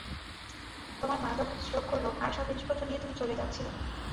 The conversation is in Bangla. তোমার মা যখন স্ট্রোক করলো, আর সব জিনিসপত্র নিয়ে তুমি চলে যাচ্ছিলে।